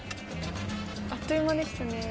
あっという間でしたね。